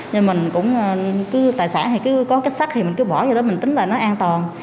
nhưng mình cũng cứ tài sản hay cứ có kết sắt thì mình cứ bỏ vô đó mình tính là nó an toàn